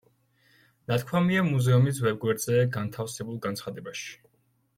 ნათქვამია მუზეუმის ვებგვერდზე განთავსებულ განცხადებაში.